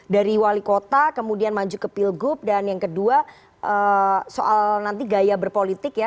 dari wali kota kemudian maju ke pilgub dan yang kedua soal nanti gaya berpolitik ya